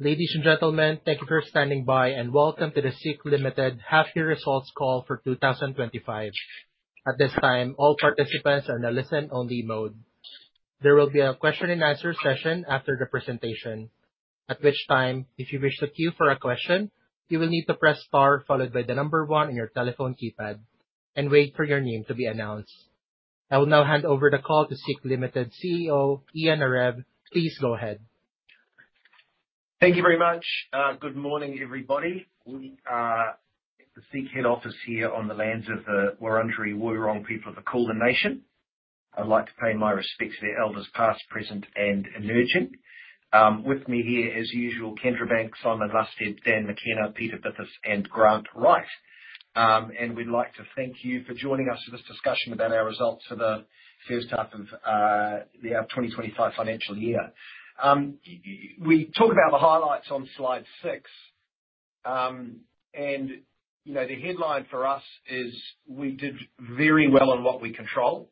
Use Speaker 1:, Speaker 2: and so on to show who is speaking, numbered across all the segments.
Speaker 1: Ladies and gentlemen, thank you for standing by, and welcome to the SEEK Limited Half-Year Results Call for 2025. At this time, all participants are in a listen-only mode. There will be a question-and-answer session after the presentation, at which time, if you wish to queue for a question, you will need to press star followed by the number one on your telephone keypad and wait for your name to be announced. I will now hand over the call to SEEK Limited CEO, Ian Narev. Please go ahead.
Speaker 2: Thank you very much. Good morning, everybody. We are at the SEEK head office here on the lands of the Wurundjeri Woi-wurrung People of the Kulin Nation. I'd like to pay my respects to their elders past, present, and emerging. With me here, as usual, Kendra Banks, Simon Lusted, Dan McKenna, Peter Bithos, and Grant Wright. And we'd like to thank you for joining us for this discussion about our results for the first half of the 2025 financial year. We talk about the highlights on Slide 6, and the headline for us is we did very well on what we control,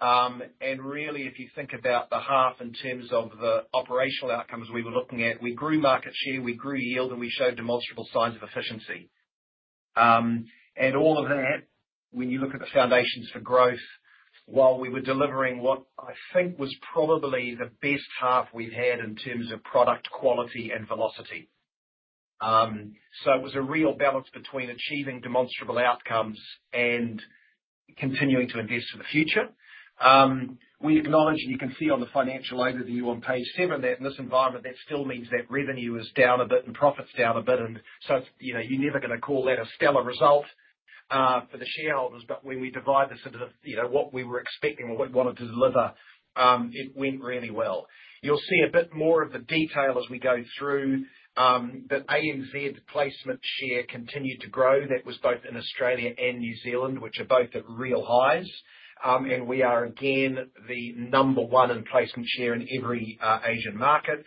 Speaker 2: and really, if you think about the half in terms of the operational outcomes we were looking at, we grew market share, we grew yield, and we showed demonstrable signs of efficiency. And all of that, when you look at the foundations for growth, while we were delivering what I think was probably the best half we've had in terms of product quality and velocity. So it was a real balance between achieving demonstrable outcomes and continuing to invest for the future. We acknowledge, and you can see on the financial overview on page seven that in this environment, that still means that revenue is down a bit and profits down a bit. And so you're never going to call that a stellar result for the shareholders. But when we divide this into what we were expecting and what we wanted to deliver, it went really well. You'll see a bit more of the detail as we go through. That ANZ placement share continued to grow. That was both in Australia and New Zealand, which are both at real highs. We are again the number one in placement share in every Asian market.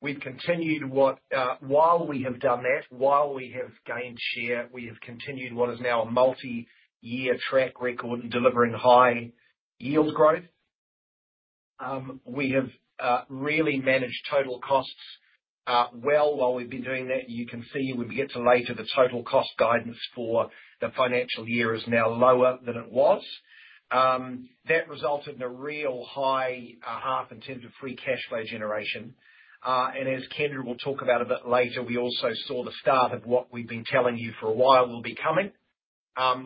Speaker 2: We've continued, while we have done that, while we have gained share, what is now a multi-year track record in delivering high yield growth. We have really managed total costs well while we've been doing that. You can see when we get to later, the total cost guidance for the financial year is now lower than it was. That resulted in a real high half in terms of free cash flow generation. And as Kendra will talk about a bit later, we also saw the start of what we've been telling you for a while will be coming,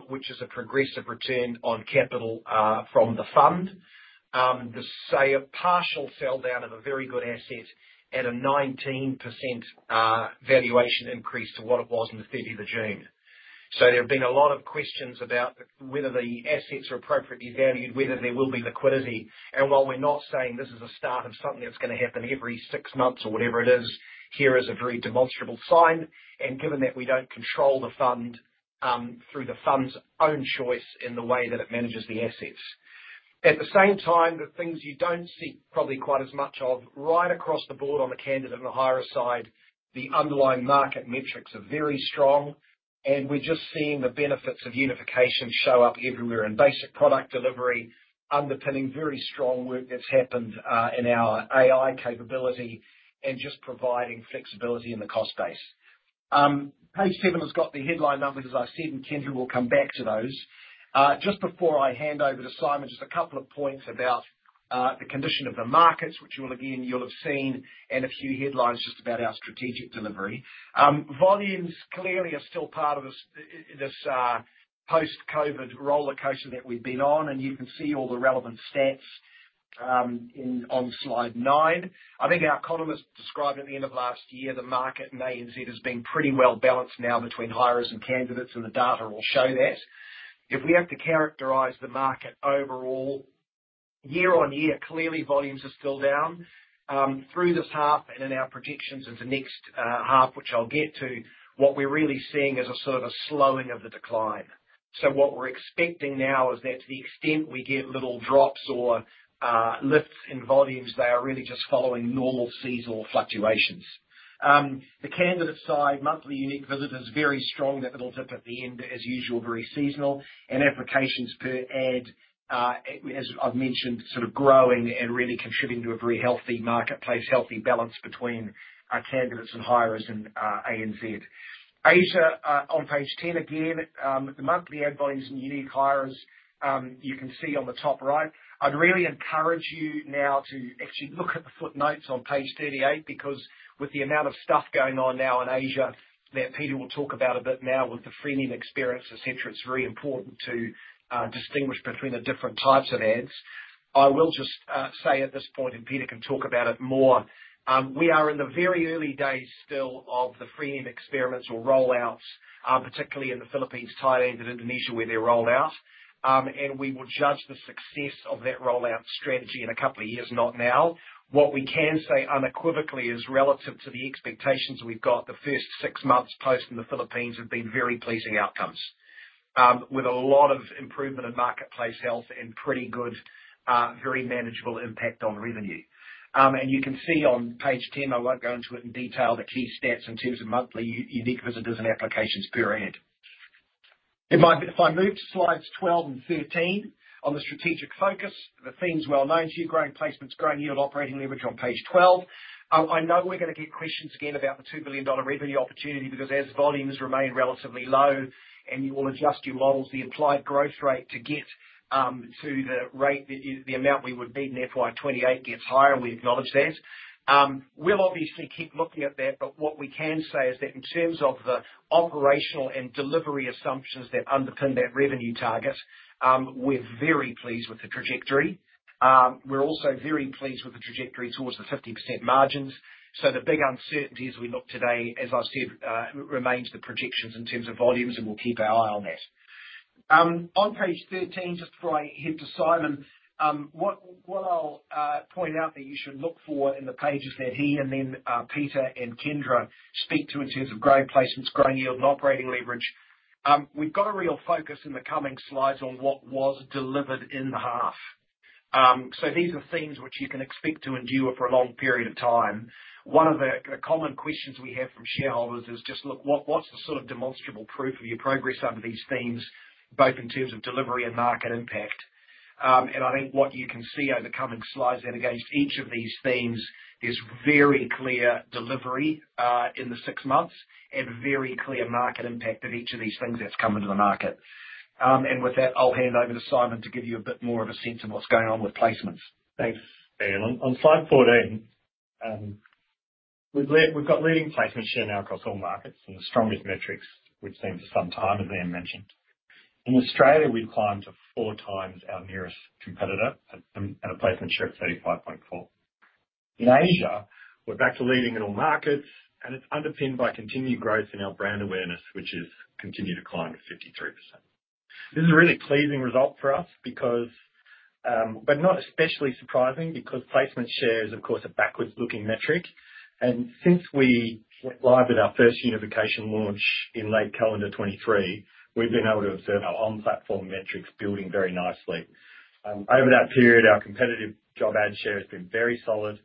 Speaker 2: which is a progressive return on capital from the fund. The partial sell down of a very good asset at a 19% valuation increase to what it was on the 30th of June. So there have been a lot of questions about whether the assets are appropriately valued, whether there will be liquidity. And while we're not saying this is a start of something that's going to happen every six months or whatever it is, here is a very demonstrable sign. And given that we don't control the fund through the fund's own choice in the way that it manages the assets. At the same time, the things you don't see probably quite as much of right across the board on the candidate and on the hirer side, the underlying market metrics are very strong. And we're just seeing the benefits of unification show up everywhere in basic product delivery, underpinning very strong work that's happened in our AI capability and just providing flexibility in the cost base. Page 7 has got the headline numbers, as I said, and Kendra will come back to those. Just before I hand over to Simon, just a couple of points about the condition of the markets, which again you'll have seen, and a few headlines just about our strategic delivery. Volumes clearly are still part of this post-COVID roller coaster that we've been on, and you can see all the relevant stats on Slide 9. I think our economists described at the end of last year the market in ANZ has been pretty well balanced now between hirers and candidates, and the data will show that. If we have to characterize the market overall, year on year, clearly volumes are still down. Through this half and in our projections into next half, which I'll get to, what we're really seeing is a sort of a slowing of the decline. So what we're expecting now is that to the extent we get little drops or lifts in volumes, they are really just following normal seasonal fluctuations. The candidate side, monthly unique visitors very strong, that little dip at the end, as usual, very seasonal. And applications per ad, as I've mentioned, sort of growing and really contributing to a very healthy marketplace, healthy balance between our candidates and hirers in ANZ. Asia on page 10 again, the monthly ad volumes and unique hirers, you can see on the top right. I'd really encourage you now to actually look at the footnotes on page 38 because with the amount of stuff going on now in Asia that Peter will talk about a bit now with the freemium experience, etc., it's very important to distinguish between the different types of ads. I will just say at this point, and Peter can talk about it more, we are in the very early days still of the freemium experiments or rollouts, particularly in the Philippines, Thailand, and Indonesia where they're rolled out, and we will judge the success of that rollout strategy in a couple of years, not now. What we can say unequivocally is relative to the expectations we've got, the first six months post in the Philippines have been very pleasing outcomes with a lot of improvement in marketplace health and pretty good, very manageable impact on revenue, and you can see on page 10, I won't go into it in detail, the key stats in terms of monthly unique visitors and applications per ad. If I move to Slides 12 and 13 on the strategic focus, the theme's well known to you, growing placements, growing yield, operating leverage on page 12. I know we're going to get questions again about the $2 billion revenue opportunity because as volumes remain relatively low and you will adjust your models, the implied growth rate to get to the rate that the amount we would be in FY28 gets higher, we acknowledge that. We'll obviously keep looking at that, but what we can say is that in terms of the operational and delivery assumptions that underpin that revenue target, we're very pleased with the trajectory. We're also very pleased with the trajectory towards the 50% margins, so the big uncertainty as we look today, as I said, remains the projections in terms of volumes, and we'll keep our eye on that. On page 13, just before I head to Simon, what I'll point out that you should look for in the pages that he and then Peter and Kendra speak to in terms of growing placements, growing yield, and operating leverage. We've got a real focus in the coming slides on what was delivered in the half. So these are themes which you can expect to endure for a long period of time. One of the common questions we have from shareholders is just, look, what's the sort of demonstrable proof of your progress under these themes, both in terms of delivery and market impact? And I think what you can see over the coming slides then against each of these themes is very clear delivery in the six months and very clear market impact of each of these things that's come into the market. With that, I'll hand over to Simon to give you a bit more of a sense of what's going on with placements. Thanks.
Speaker 3: On Slide 14, we've got leading placement share now across all markets and the strongest metrics we've seen for some time, as Ian mentioned. In Australia, we've climbed to four times our nearest competitor at a placement share of 35.4%. In Asia, we're back to leading in all markets, and it's underpinned by continued growth in our brand awareness, which has continued to climb to 53%. This is a really pleasing result for us, but not especially surprising because placement shares, of course, are backward-looking metrics. Since we went live with our first unification launch in late calendar 2023, we've been able to observe our on-platform metrics building very nicely. Over that period, our competitive job ad share has been very solid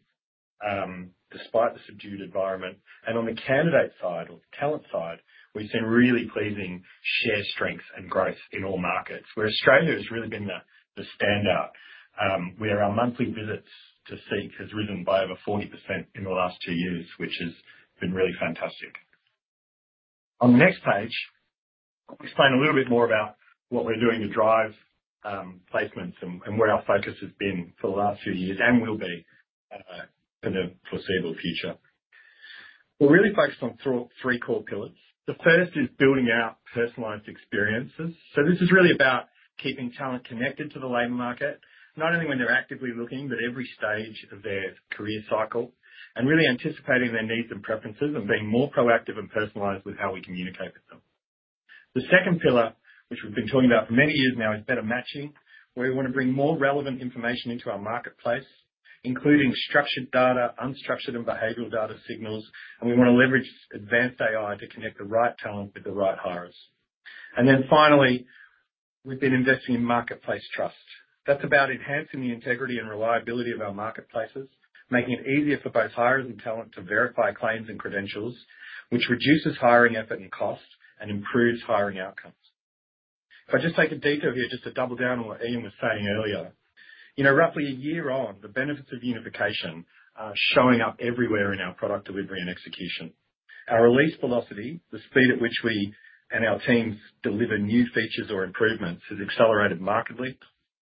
Speaker 3: despite the subdued environment. On the candidate side or the talent side, we've seen really pleasing share strengths and growth in all markets, where Australia has really been the standout, where our monthly visits to SEEK have risen by over 40% in the last two years, which has been really fantastic. On the next page, I'll explain a little bit more about what we're doing to drive placements and where our focus has been for the last few years and will be in the foreseeable future. We're really focused on three core pillars. The first is building out personalized experiences. So this is really about keeping talent connected to the labour market, not only when they're actively looking, but every stage of their career cycle, and really anticipating their needs and preferences and being more proactive and personalized with how we communicate with them. The second pillar, which we've been talking about for many years now, is better matching, where we want to bring more relevant information into our marketplace, including structured data, unstructured, and behavioral data signals, and we want to leverage advanced AI to connect the right talent with the right hirers, and then finally, we've been investing in marketplace trust. That's about enhancing the integrity and reliability of our marketplaces, making it easier for both hirers and talent to verify claims and credentials, which reduces hiring effort and cost and improves hiring outcomes. If I just take a detour here just to double down on what Ian was saying earlier, roughly a year on, the benefits of unification are showing up everywhere in our product delivery and execution. Our release velocity, the speed at which we and our teams deliver new features or improvements, has accelerated markedly.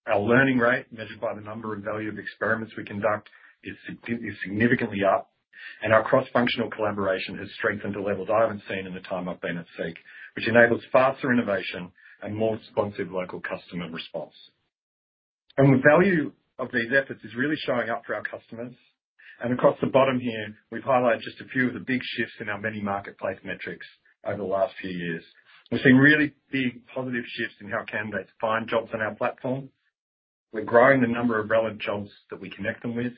Speaker 3: Our learning rate, measured by the number and value of experiments we conduct, is significantly up, and our cross-functional collaboration has strengthened the levels I haven't seen in the time I've been at SEEK, which enables faster innovation and more responsive local customer response, and the value of these efforts is really showing up for our customers, and across the bottom here, we've highlighted just a few of the big shifts in our many marketplace metrics over the last few years. We've seen really big positive shifts in how candidates find jobs on our platform. We're growing the number of relevant jobs that we connect them with,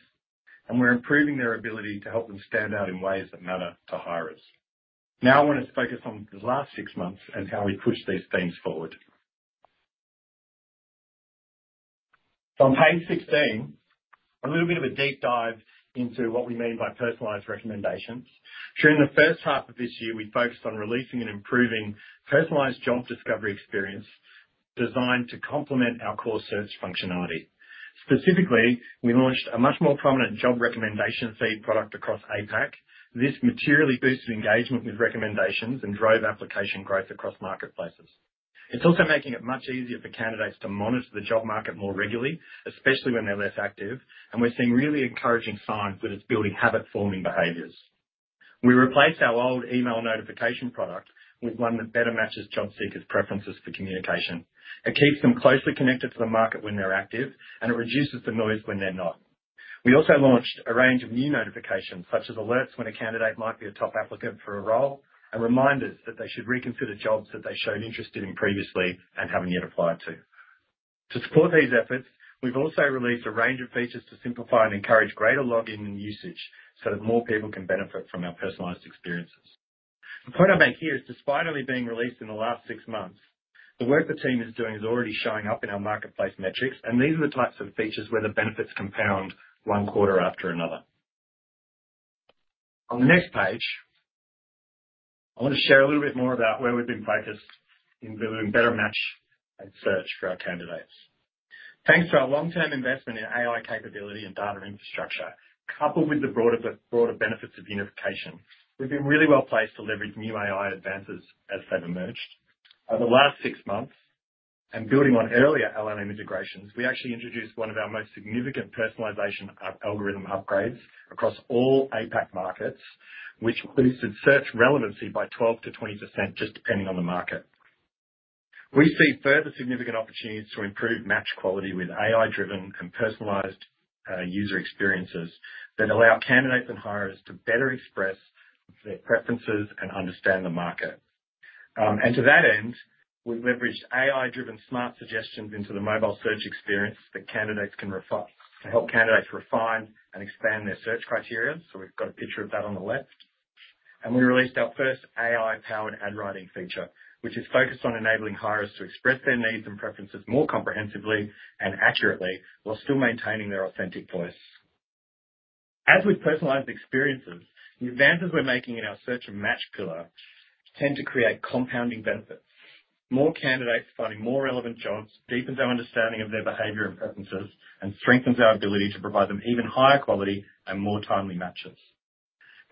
Speaker 3: and we're improving their ability to help them stand out in ways that matter to hirers. Now I want to focus on the last six months and how we push these things forward. So on page 16, a little bit of a deep dive into what we mean by personalized recommendations. During the first half of this year, we focused on releasing and improving personalized job discovery experience designed to complement our core search functionality. Specifically, we launched a much more prominent job recommendation feed product across APAC. This materially boosted engagement with recommendations and drove application growth across marketplaces. It's also making it much easier for candidates to monitor the job market more regularly, especially when they're less active. And we're seeing really encouraging signs that it's building habit-forming behaviors. We replaced our old email notification product with one that better matches job seekers' preferences for communication. It keeps them closely connected to the market when they're active, and it reduces the noise when they're not. We also launched a range of new notifications, such as alerts when a candidate might be a top applicant for a role and reminders that they should reconsider jobs that they showed interest in previously and haven't yet applied to. To support these efforts, we've also released a range of features to simplify and encourage greater login and usage so that more people can benefit from our personalized experiences. The point I make here is, despite only being released in the last six months, the work the team is doing is already showing up in our marketplace metrics, and these are the types of features where the benefits compound one quarter after another. On the next page, I want to share a little bit more about where we've been focused in building better match and search for our candidates. Thanks to our long-term investment in AI capability and data infrastructure, coupled with the broader benefits of unification, we've been really well placed to leverage new AI advances as they've emerged. Over the last six months, and building on earlier LLM integrations, we actually introduced one of our most significant personalization algorithm upgrades across all APAC markets, which boosted search relevancy by 12%-20% just depending on the market. We see further significant opportunities to improve match quality with AI-driven and personalized user experiences that allow candidates and hirers to better express their preferences and understand the market. And to that end, we've leveraged AI-driven smart suggestions into the mobile search experience to help candidates refine and expand their search criteria. So we've got a picture of that on the left. And we released our first AI-powered ad writing feature, which is focused on enabling hirers to express their needs and preferences more comprehensively and accurately while still maintaining their authentic voice. As with personalized experiences, the advances we're making in our search and match pillar tend to create compounding benefits. More candidates finding more relevant jobs deepens our understanding of their behavior and preferences and strengthens our ability to provide them even higher quality and more timely matches.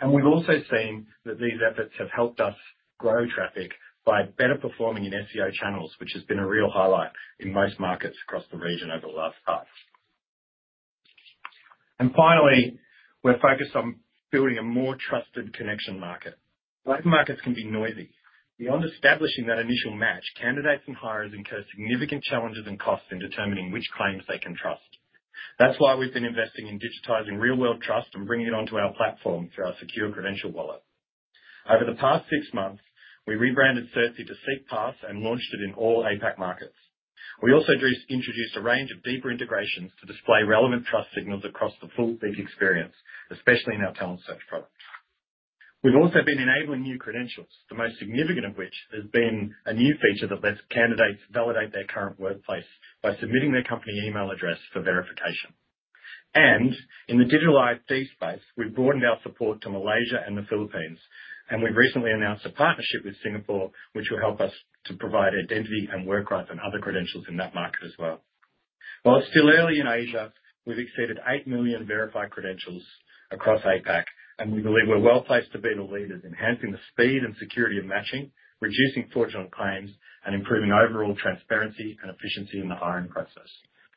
Speaker 3: And we've also seen that these efforts have helped us grow traffic by better performing in SEO channels, which has been a real highlight in most markets across the region over the last half. And finally, we're focused on building a more trusted connection market. Labour markets can be noisy. Beyond establishing that initial match, candidates and hirers incur significant challenges and costs in determining which claims they can trust. That's why we've been investing in digitizing real-world trust and bringing it onto our platform through our secure credential wallet. Over the past six months, we rebranded Certsy to SEEK Pass and launched it in all APAC markets. We also introduced a range of deeper integrations to display relevant trust signals across the full SEEK experience, especially in our Talent Search product. We've also been enabling new credentials, the most significant of which has been a new feature that lets candidates validate their current workplace by submitting their company email address for verification, and in the digital identity space, we've broadened our support to Malaysia and the Philippines, and we've recently announced a partnership with Singapore, which will help us to provide identity and work rights and other credentials in that market as well. While it's still early in Asia, we've exceeded 8 million verified credentials across APAC, and we believe we're well placed to be the leaders in enhancing the speed and security of matching, reducing fraudulent claims, and improving overall transparency and efficiency in the hiring process.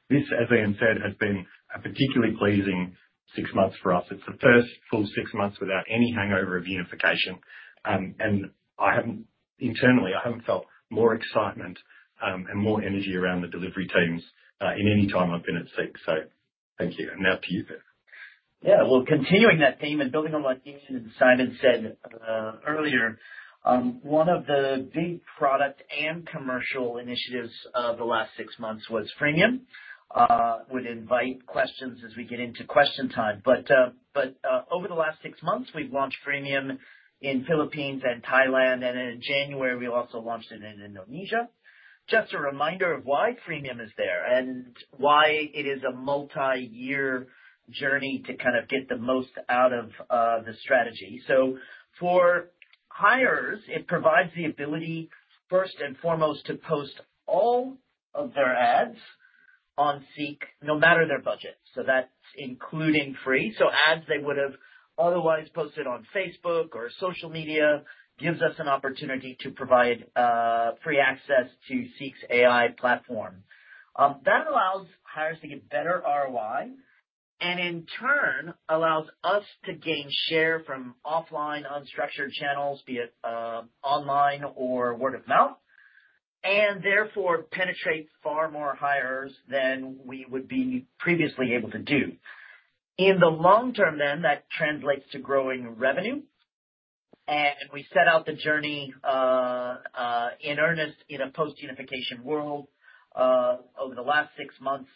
Speaker 3: This, as Ian said, has been a particularly pleasing six months for us. It's the first full six months without any hangover of unification, and internally, I haven't felt more excitement and more energy around the delivery teams in any time I've been at SEEK. So thank you, and now to you, Peter.
Speaker 4: Yeah. Well, continuing that theme and building on what Ian and Simon said earlier, one of the big product and commercial initiatives of the last six months was freemium. We'd invite questions as we get into question time. But over the last six months, we've launched freemium in Philippines and Thailand, and in January, we also launched it in Indonesia. Just a reminder of why freemium is there and why it is a multi-year journey to kind of get the most out of the strategy. So for hirers, it provides the ability, first and foremost, to post all of their ads on SEEK, no matter their budget. So that's including free. So ads they would have otherwise posted on Facebook or social media gives us an opportunity to provide free access to SEEK's AI platform. That allows hirers to get better ROI and, in turn, allows us to gain share from offline unstructured channels, be it online or word of mouth, and therefore penetrate far more hirers than we would be previously able to do. In the long term, then, that translates to growing revenue, and we set out the journey in earnest in a post-unification world over the last six months.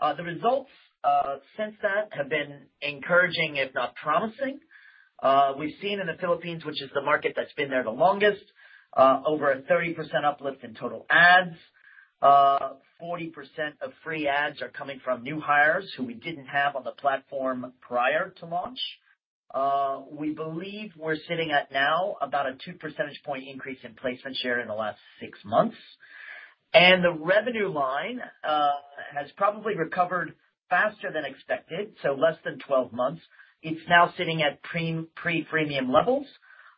Speaker 4: The results since that have been encouraging, if not promising. We've seen in the Philippines, which is the market that's been there the longest, over a 30% uplift in total ads. 40% of free ads are coming from new hirers who we didn't have on the platform prior to launch. We believe we're sitting at now about a two percentage point increase in placement share in the last six months. And the revenue line has probably recovered faster than expected, so less than 12 months. It's now sitting at pre-freemium levels,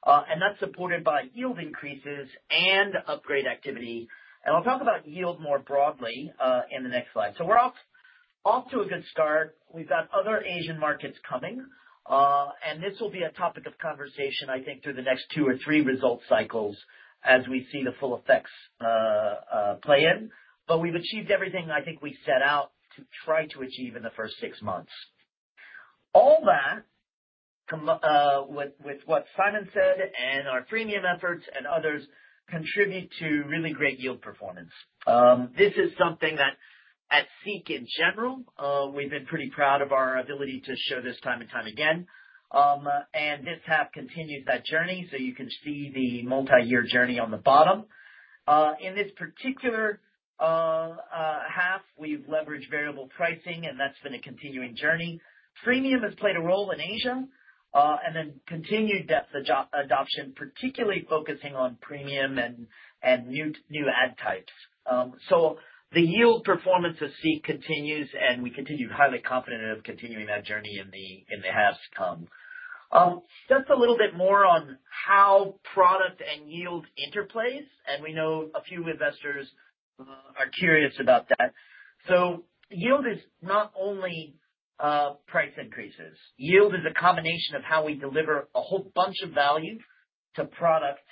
Speaker 4: and that's supported by yield increases and upgrade activity. And I'll talk about yield more broadly in the next slide. So we're off to a good start. We've got other Asian markets coming, and this will be a topic of conversation, I think, through the next two or three result cycles as we see the full effects play in. But we've achieved everything I think we set out to try to achieve in the first six months. All that, with what Simon said and our freemium efforts and others, contribute to really great yield performance. This is something that, at SEEK in general, we've been pretty proud of our ability to show this time and time again. This half continues that journey, so you can see the multi-year journey on the bottom. In this particular half, we've leveraged variable pricing, and that's been a continuing journey. Freemium has played a role in Asia and then continued adoption, particularly focusing on freemium and new ad types. The yield performance of SEEK continues, and we continue to be highly confident of continuing that journey in the halves to come. Just a little bit more on how product and yield interplay, and we know a few investors are curious about that. Yield is not only price increases. Yield is a combination of how we deliver a whole bunch of value to product,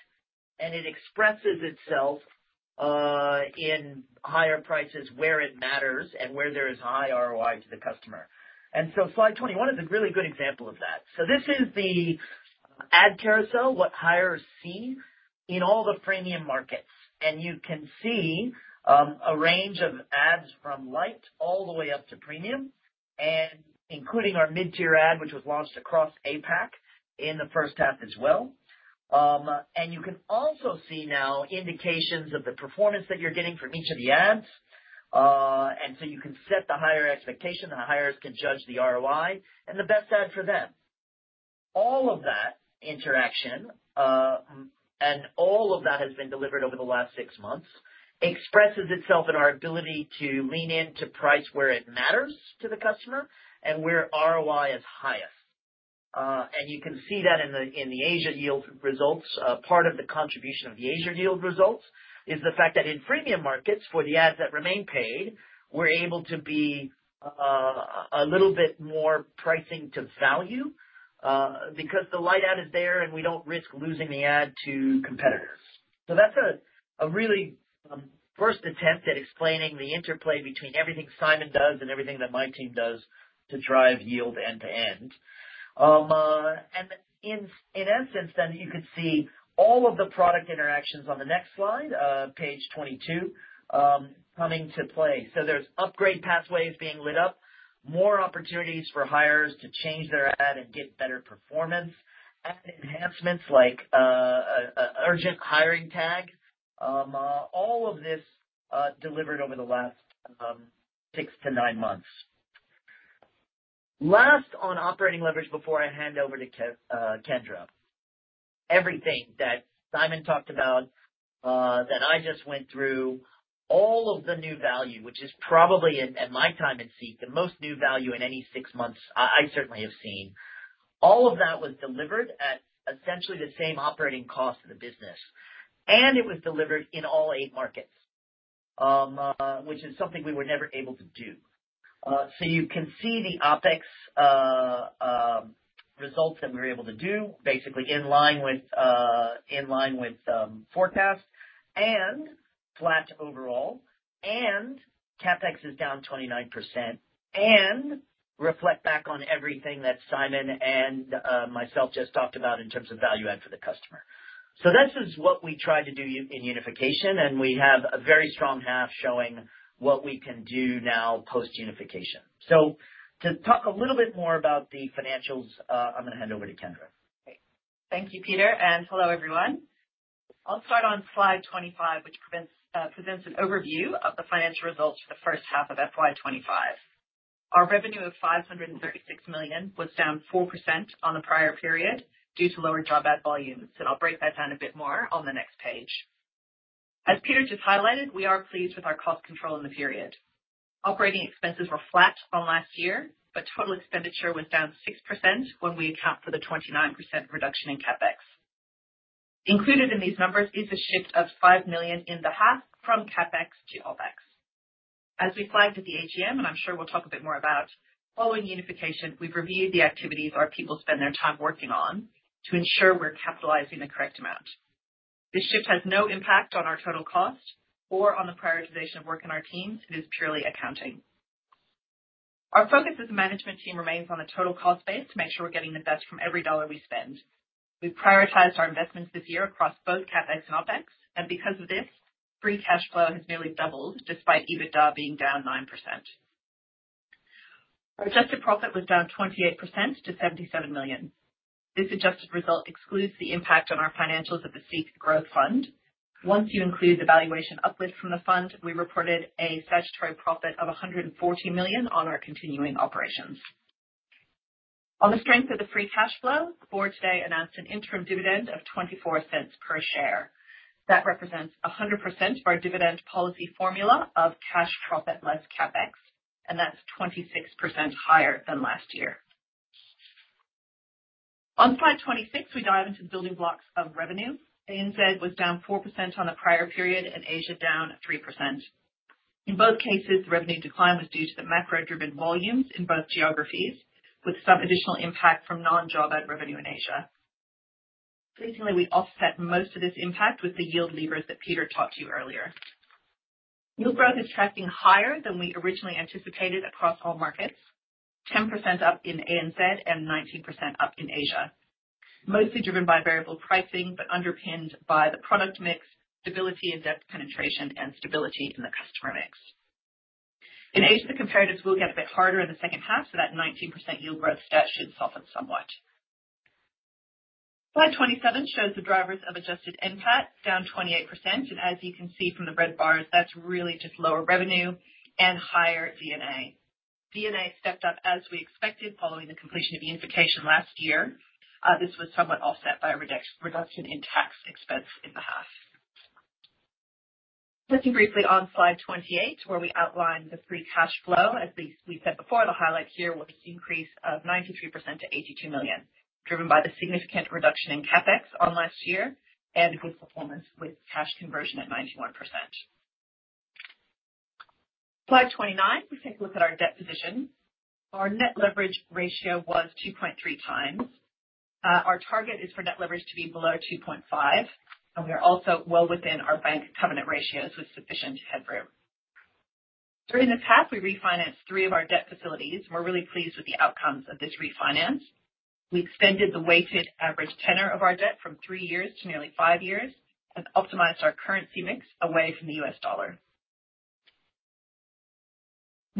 Speaker 4: and it expresses itself in higher prices where it matters and where there is high ROI to the customer. Slide 21 is a really good example of that. So this is the ad carousel, what hirers see in all the freemium markets. And you can see a range of ads from Lite all the way up to Premium, including our mid-tier ad, which was launched across APAC in the first half as well. And you can also see now indications of the performance that you're getting from each of the ads. And so you can set the higher expectation, and the hirers can judge the ROI and the best ad for them. All of that interaction and all of that has been delivered over the last six months expresses itself in our ability to lean into price where it matters to the customer and where ROI is highest. And you can see that in the Asia yield results. Part of the contribution of the Asia yield results is the fact that in freemium markets, for the ads that remain paid, we're able to be a little bit more pricing to value because the Lite ad is there, and we don't risk losing the ad to competitors. So that's a really first attempt at explaining the interplay between everything Simon does and everything that my team does to drive yield end to end, and in essence, then, you could see all of the product interactions on the next slide, page 22, coming to play. So there's upgrade pathways being lit up, more opportunities for hirers to change their ad and get better performance, and enhancements like an urgent hiring tag. All of this delivered over the last six to nine months. Last on operating leverage before I hand over to Kendra. Everything that Simon talked about that I just went through, all of the new value, which is probably in my time in SEEK, the most new value in any six months I certainly have seen. All of that was delivered at essentially the same operating cost of the business, and it was delivered in all eight markets, which is something we were never able to do, so you can see the OpEx results that we were able to do, basically in line with forecast and flat overall, and CapEx is down 29% and reflect back on everything that Simon and myself just talked about in terms of value add for the customer, so this is what we tried to do in Unification, and we have a very strong half showing what we can do now post-Unification. So to talk a little bit more about the financials, I'm going to hand over to Kendra.
Speaker 5: Thank you, Peter, and hello, everyone. I'll start on Slide 25, which presents an overview of the financial results for the first half of FY25. Our revenue of 536 million was down 4% on the prior period due to lower job ad volumes, and I'll break that down a bit more on the next page. As Peter just highlighted, we are pleased with our cost control in the period. Operating expenses were flat on last year, but total expenditure was down 6% when we account for the 29% reduction in CapEx. Included in these numbers is a shift of 5 million in the half from CapEx to OpEx. As we flagged at the AGM, and I'm sure we'll talk a bit more about, following unification, we've reviewed the activities our people spend their time working on to ensure we're capitalizing the correct amount. This shift has no impact on our total cost or on the prioritization of work in our teams. It is purely accounting. Our focus as a management team remains on the total cost base to make sure we're getting the best from every dollar we spend. We've prioritized our investments this year across both CapEx and OpEx, and because of this, free cash flow has nearly doubled despite EBITDA being down 9%. Our adjusted profit was down 28% to 77 million. This adjusted result excludes the impact on our financials of the SEEK Growth Fund. Once you include the valuation uplift from the fund, we reported a statutory profit of 140 million on our continuing operations. On the strength of the free cash flow, Board today announced an interim dividend of 0.24 per share. That represents 100% of our dividend policy formula of cash profit less CapEx, and that's 26% higher than last year. On Slide 26, we dive into the building blocks of revenue. ANZ was down 4% on the prior period and Asia down 3%. In both cases, the revenue decline was due to the macro-driven volumes in both geographies, with some additional impact from non-job ad revenue in Asia. Recently, we offset most of this impact with the yield levers that Peter talked to you earlier. Yield growth is tracking higher than we originally anticipated across all markets, 10% up in ANZ and 19% up in Asia, mostly driven by variable pricing, but underpinned by the product mix, stability in depth penetration, and stability in the customer mix. In Asia, the comparatives will get a bit harder in the second half, so that 19% yield growth stat should soften somewhat. Slide 27 shows the drivers of adjusted NPAT down 28%, and as you can see from the red bars, that's really just lower revenue and higher D&A. D&A stepped up as we expected following the completion of Unification last year. This was somewhat offset by a reduction in tax expense in the half. Looking briefly on Slide 28, where we outline the free cash flow, as we said before, the highlight here was an increase of 93% to 82 million, driven by the significant reduction in CapEx on last year and good performance with cash conversion at 91%. On Slide 29, we take a look at our debt position. Our net leverage ratio was 2.3 times. Our target is for net leverage to be below 2.5, and we are also well within our bank covenant ratios with sufficient headroom. During this half, we refinanced three of our debt facilities, and we're really pleased with the outcomes of this refinance. We extended the weighted average tenor of our debt from three years to nearly five years and optimized our currency mix away from the US dollar.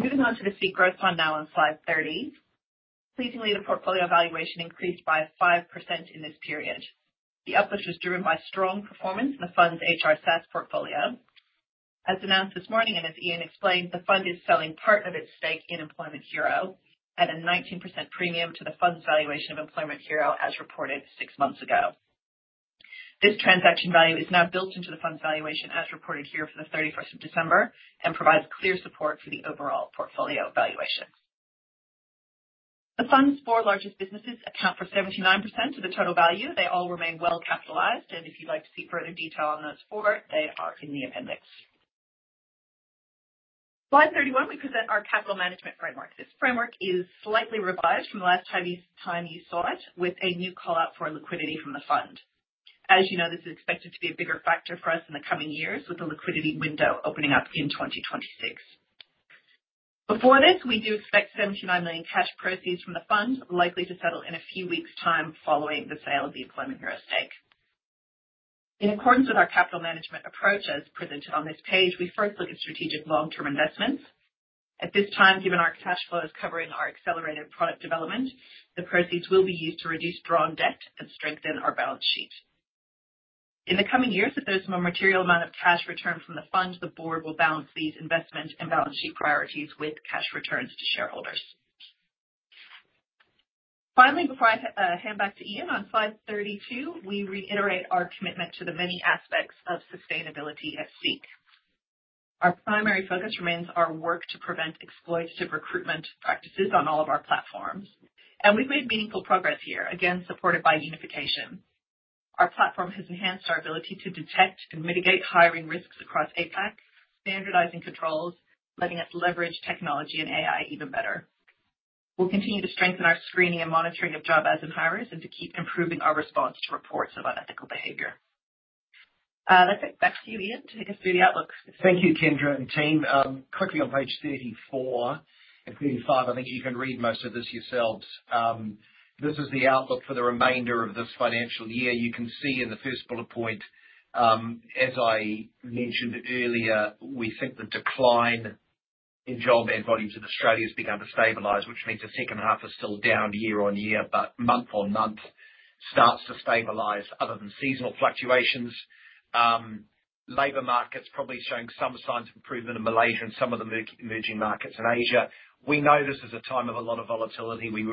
Speaker 5: Moving on to the SEEK Growth Fund now on Slide 30. Pleasingly, the portfolio valuation increased by 5% in this period. The uplift was driven by strong performance in the fund's HR SaaS portfolio. As announced this morning and as Ian explained, the fund is selling part of its stake in Employment Hero at a 19% premium to the fund's valuation of Employment Hero as reported six months ago. This transaction value is now built into the fund's valuation as reported here for the 31st of December and provides clear support for the overall portfolio valuation. The fund's four largest businesses account for 79% of the total value. They all remain well capitalized. If you'd like to see further detail on those four, they are in the appendix. Slide 31, we present our capital management framework. This framework is slightly revised from the last time you saw it, with a new callout for liquidity from the fund. As you know, this is expected to be a bigger factor for us in the coming years, with the liquidity window opening up in 2026. Before this, we do expect 79 million cash proceeds from the fund, likely to settle in a few weeks' time following the sale of the Employment Hero stake. In accordance with our capital management approach as presented on this page, we first look at strategic long-term investments.
Speaker 1: At this time, given our cash flows covering our accelerated product development, the proceeds will be used to reduce drawn debt and strengthen our balance sheet. In the coming years, if there's a material amount of cash returned from the fund, the Board will balance these investment and balance sheet priorities with cash returns to shareholders. Finally, before I hand back to Ian, on Slide 32, we reiterate our commitment to the many aspects of sustainability at SEEK. Our primary focus remains our work to prevent exploitative recruitment practices on all of our platforms. And we've made meaningful progress here, again supported by unification. Our platform has enhanced our ability to detect and mitigate hiring risks across APAC, standardizing controls, letting us leverage technology and AI even better. We'll continue to strengthen our screening and monitoring of job ads and hirers and to keep improving our response to reports of unethical behavior. That's it. Back to you, Ian, to take us through the outlook.
Speaker 2: Thank you, Kendra and team. Quickly on page 34 and 35, I think you can read most of this yourselves. This is the outlook for the remainder of this financial year. You can see in the first bullet point, as I mentioned earlier, we think the decline in job ad volumes in Australia has begun to stabilize, which means the second half is still down year on year, but month on month starts to stabilize other than seasonal fluctuations. Labour markets probably showing some signs of improvement in Malaysia and some of the emerging markets in Asia. We know this is a time of a lot of volatility. We've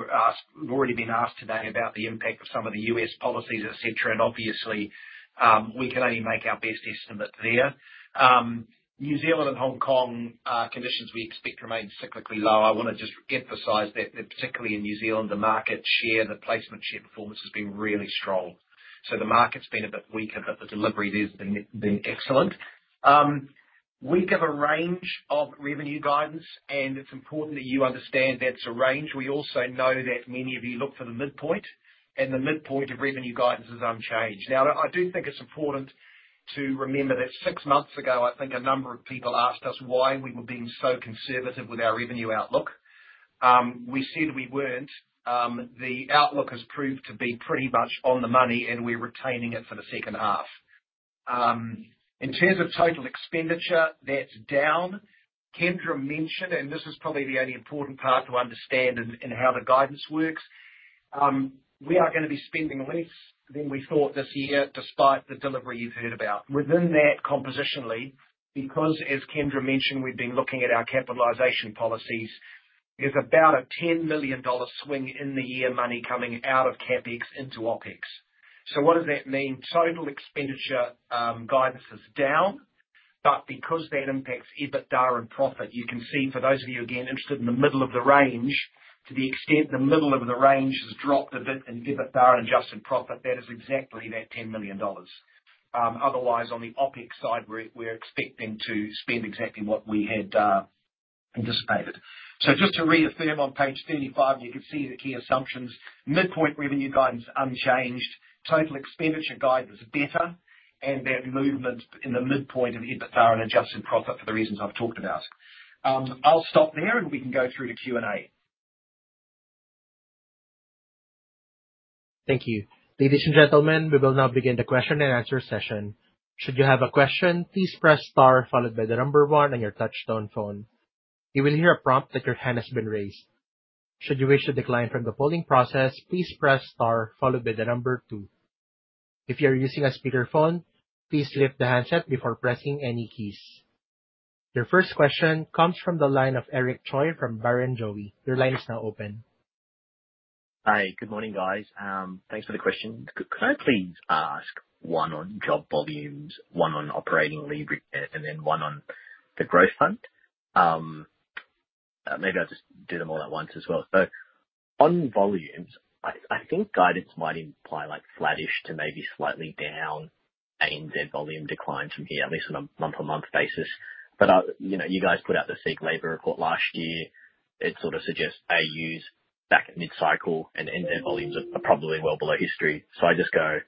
Speaker 2: already been asked today about the impact of some of the U.S. policies, etc., and obviously, we can only make our best estimate there. New Zealand and Hong Kong conditions we expect remain cyclically low. I want to just emphasize that particularly in New Zealand, the market share, the placement share performance has been really strong. So the market's been a bit weaker, but the delivery has been excellent. We give a range of revenue guidance, and it's important that you understand that's a range. We also know that many of you look for the midpoint, and the midpoint of revenue guidance is unchanged. Now, I do think it's important to remember that six months ago, I think a number of people asked us why we were being so conservative with our revenue outlook. We said we weren't. The outlook has proved to be pretty much on the money, and we're retaining it for the second half. In terms of total expenditure, that's down. Kendra mentioned, and this is probably the only important part to understand in how the guidance works. We are going to be spending less than we thought this year despite the delivery you've heard about. Within that compositionally, because as Kendra mentioned, we've been looking at our capitalization policies, there's about a 10 million dollar swing in the year money coming out of CapEx into OpEx. So what does that mean? Total expenditure guidance is down, but because that impacts EBITDA and profit, you can see for those of you again interested in the middle of the range, to the extent the middle of the range has dropped a bit in EBITDA and adjusted profit, that is exactly that 10 million dollars. Otherwise, on the OpEx side, we're expecting to spend exactly what we had anticipated. So just to reaffirm on page 35, you can see the key assumptions. Midpoint revenue guidance unchanged. Total expenditure guidance better, and that movement in the midpoint of EBITDA and adjusted profit for the reasons I've talked about. I'll stop there, and we can go through to Q&A.
Speaker 1: Thank you. Ladies and gentlemen, we will now begin the question and answer session. Should you have a question, please press star followed by the number one on your touch-tone phone. You will hear a prompt that your hand has been raised. Should you wish to decline from the polling process, please press star followed by the number two. If you are using a speakerphone, please lift the handset before pressing any keys. Your first question comes from the line of Eric Choi from Barrenjoey. Your line is now open.
Speaker 6: Hi, good morning, guys. Thanks for the question. Could I please ask one on job volumes, one on operating leverage, and then one on the growth fund? Maybe I'll just do them all at once as well. So on volumes, I think guidance might imply like flattish to maybe slightly down ANZ volume declines from here, at least on a month-on-month basis. But you guys put out the SEEK labour report last year. It sort of suggests Australia's back at mid-cycle, and NZ volumes are probably well below history. So I just go,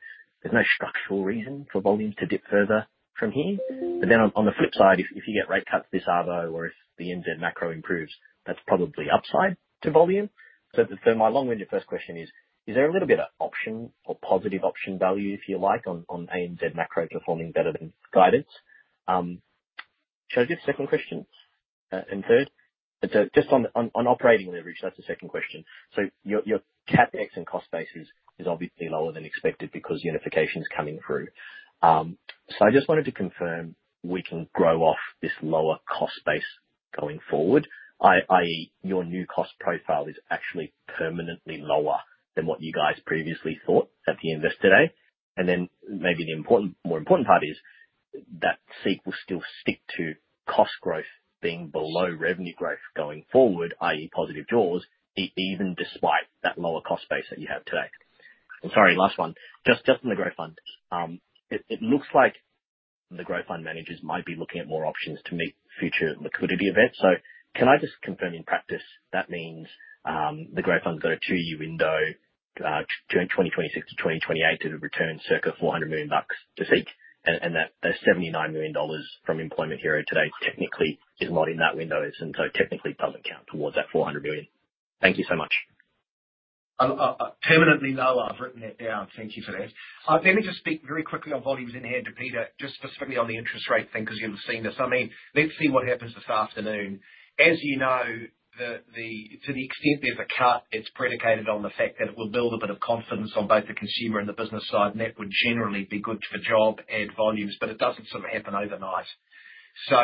Speaker 6: there's no structural reason for volumes to dip further from here. But then on the flip side, if you get rate cuts this arvo or if the NZ macro improves, that's probably upside to volume. So my long-winded first question is, is there a little bit of option or positive option value, if you like, on ANZ macro performing better than guidance? Should I do the second question? And third, just on operating leverage, that's the second question. So your CapEx and cost basis is obviously lower than expected because Unification is coming through. So I just wanted to confirm we can grow off this lower cost base going forward, i.e., your new cost profile is actually permanently lower than what you guys previously thought at the end of today. And then maybe the more important part is that SEEK will still stick to cost growth being below revenue growth going forward, i.e., positive jaws, even despite that lower cost base that you have today. And sorry, last one. Just on the growth fund, it looks like the growth fund managers might be looking at more options to meet future liquidity events. So can I just confirm in practice that means the growth fund's got a two-year window during 2026 to 2028 to return circa 400 million bucks to SEEK, and that $79 million from Employment Hero today technically is not in that window and so technically doesn't count towards that 400 million? Thank you so much.
Speaker 2: Permanently no, I've written that down. Thank you for that. Let me just speak very quickly on volumes in here to Peter, just specifically on the interest rate thing because you've seen this. I mean, let's see what happens this afternoon. As you know, to the extent there's a cut, it's predicated on the fact that it will build a bit of confidence on both the consumer and the business side, and that would generally be good for job ad volumes, but it doesn't sort of happen overnight, so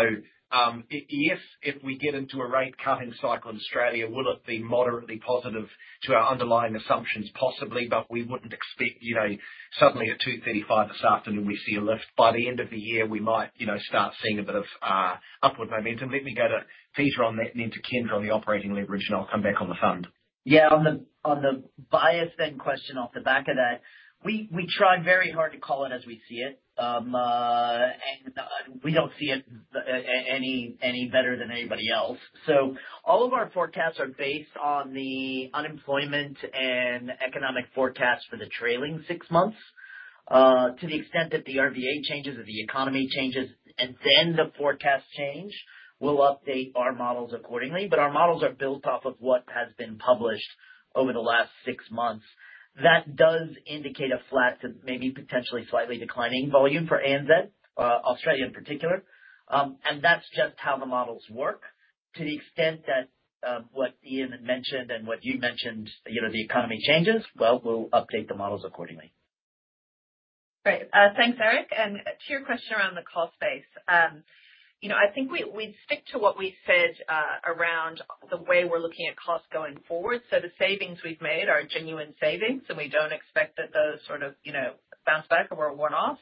Speaker 2: yes, if we get into a rate cutting cycle in Australia, will it be moderately positive to our underlying assumptions? Possibly, but we wouldn't expect suddenly at 2:35 P.M. this afternoon we see a lift. By the end of the year, we might start seeing a bit of upward momentum. Let me go to Peter on that and then to Kendra on the operating leverage, and I'll come back on the fund.
Speaker 4: Yeah, on the bias in the question off the back of that, we tried very hard to call it as we see it, and we don't see it any better than anybody else. So all of our forecasts are based on the unemployment and economic forecasts for the trailing six months. To the extent that the RBA changes, if the economy changes, and then the forecasts change, we'll update our models accordingly. But our models are built off of what has been published over the last six months. That does indicate a flat to maybe potentially slightly declining volume for ANZ, Australia in particular. And that's just how the models work. To the extent that what Ian had mentioned and what you mentioned, the economy changes, well, we'll update the models accordingly.
Speaker 5: Great. Thanks, Eric. And to your question around the cost base, I think we'd stick to what we said around the way we're looking at cost going forward. So the savings we've made are genuine savings, and we don't expect that those sort of bounce back or were worn off.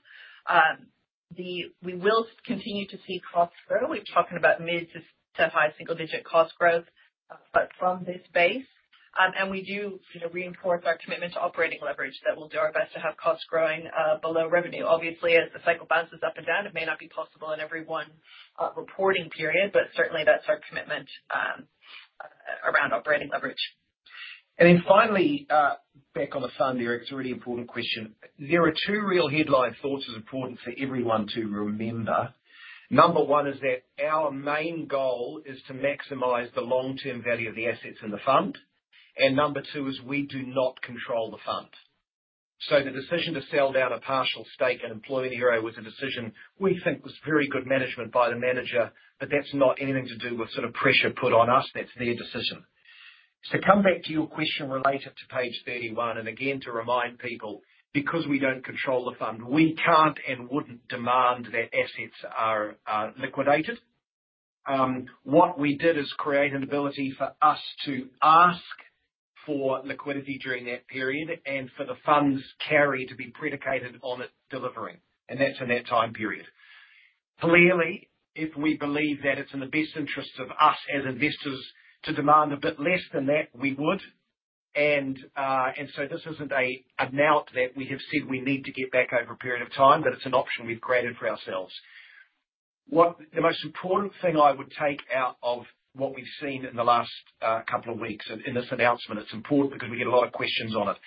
Speaker 5: We will continue to see cost growth. We're talking about mid- to high single-digit cost growth, but from this base. And we do reinforce our commitment to operating leverage that we'll do our best to have cost growing below revenue. Obviously, as the cycle bounces up and down, it may not be possible in every one reporting period, but certainly that's our commitment around operating leverage.
Speaker 2: And then finally, back on the fund, Eric, it's a really important question. There are two real headline thoughts that are important for everyone to remember. Number one is that our main goal is to maximize the long-term value of the assets in the fund. And number two is we do not control the fund. So the decision to sell down a partial stake in Employment Hero was a decision we think was very good management by the manager, but that's not anything to do with sort of pressure put on us. That's their decision. So come back to your question related to page 31, and again to remind people, because we don't control the fund, we can't and wouldn't demand that assets are liquidated. What we did is create an ability for us to ask for liquidity during that period and for the funds carry to be predicated on it delivering, and that's in that time period. Clearly, if we believe that it's in the best interest of us as investors to demand a bit less than that, we would. So this isn't a note that we have said we need to get back over a period of time, but it's an option we've created for ourselves. The most important thing I would take out of what we've seen in the last couple of weeks in this announcement. It's important because we get a lot of questions on it.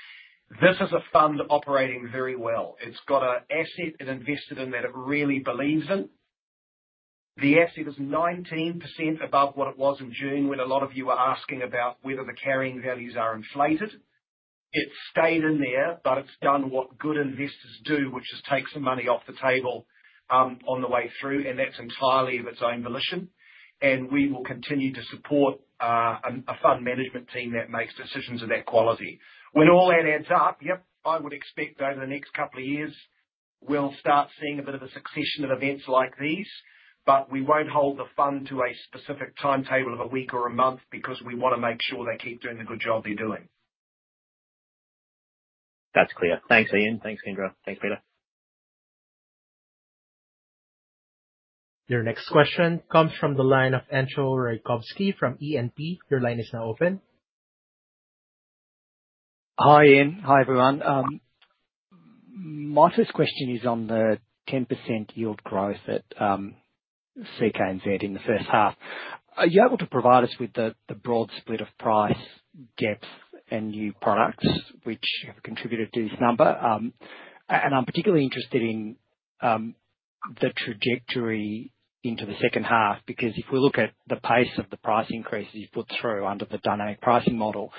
Speaker 2: This is a fund operating very well. It's got an asset and invested in that it really believes in. The asset is 19% above what it was in June when a lot of you were asking about whether the carrying values are inflated. It's stayed in there, but it's done what good investors do, which is take some money off the table on the way through, and that's entirely of its own volition. And we will continue to support a fund management team that makes decisions of that quality. When all that adds up, yep, I would expect over the next couple of years, we'll start seeing a bit of a succession of events like these, but we won't hold the fund to a specific timetable of a week or a month because we want to make sure they keep doing the good job they're doing.
Speaker 6: That's clear. Thanks, Ian. Thanks, Kendra. Thanks, Peter.
Speaker 1: Your next question comes from the line of Entcho Raykovski from E&P. Your line is now open.
Speaker 7: Hi, Ian. Hi, everyone. My first question is on the 10% yield growth at SEEK ANZ in the first half. Are you able to provide us with the broad split of price gaps and new products, which have contributed to this number? And I'm particularly interested in the trajectory into the second half because if we look at the pace of the price increases you put through under the dynamic pricing model,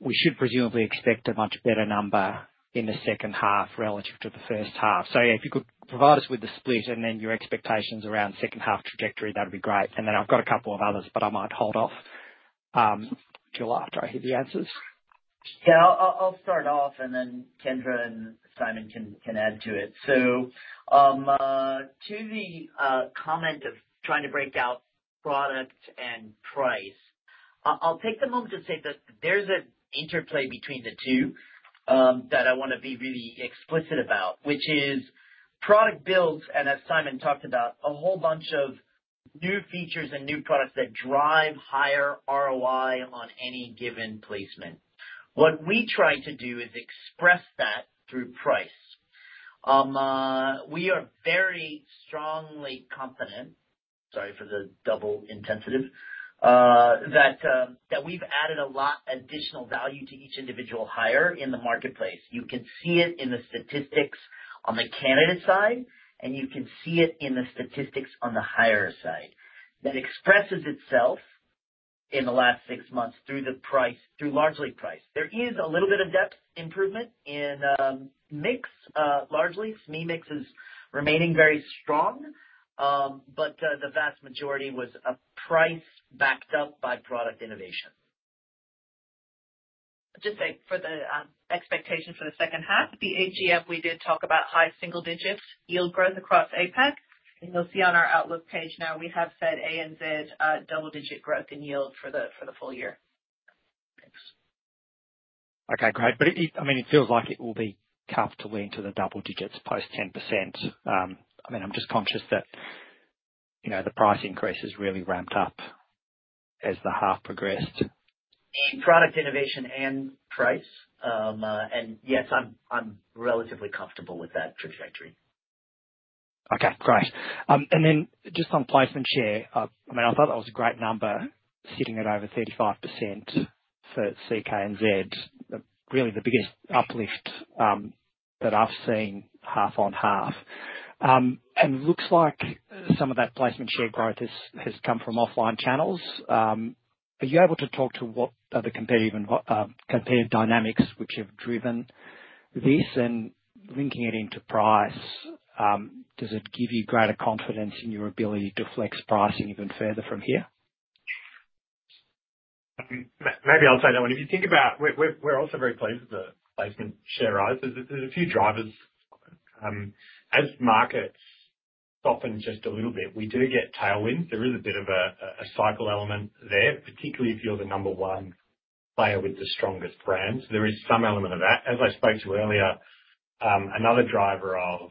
Speaker 7: we should presumably expect a much better number in the second half relative to the first half. So if you could provide us with the split and then your expectations around second half trajectory, that would be great. And then I've got a couple of others, but I might hold off until after I hear the answers.
Speaker 4: Yeah, I'll start off, and then Kendra and Simon can add to it. So to the comment of trying to break out product and price, I'll take the moment to say that there's an interplay between the two that I want to be really explicit about, which is product builds, and as Simon talked about, a whole bunch of new features and new products that drive higher ROI on any given placement. What we try to do is express that through price. We are very strongly confident, sorry for the double intensifier, that we've added a lot of additional value to each individual hire in the marketplace. You can see it in the statistics on the candidate side, and you can see it in the statistics on the hire side. That expresses itself in the last six months through the price, through largely price. There is a little bit of depth improvement in mix largely. SME mix is remaining very strong, but the vast majority was price backed up by product innovation.
Speaker 5: Just for the expectations for the second half, the H2, we did talk about high single-digit yield growth across APAC, and you'll see on our Outlook page now we have said ANZ double-digit growth in yield for the full year.
Speaker 7: Okay, great, but I mean, it feels like it will be tough to lean to the double digits post 10%. I mean, I'm just conscious that the price increase has really ramped up as the half progressed.
Speaker 4: Product innovation and price. And yes, I'm relatively comfortable with that trajectory.
Speaker 7: Okay, great. And then just on placement share, I mean, I thought that was a great number, sitting at over 35% for SEEK ANZ, really the biggest uplift that I've seen half on half. And it looks like some of that placement share growth has come from offline channels. Are you able to talk to what are the competitive dynamics which have driven this and linking it into price? Does it give you greater confidence in your ability to flex pricing even further from here?
Speaker 8: Maybe I'll take that one. If you think about, we're also very pleased with the placement share rise. There's a few drivers. As markets soften just a little bit, we do get tailwinds. There is a bit of a cycle element there, particularly if you're the number one player with the strongest brands. There is some element of that. As I spoke to earlier, another driver of